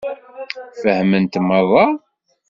Fehment meṛṛa?